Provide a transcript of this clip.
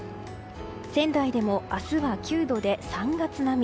仙台でも明日は９度で３月並み。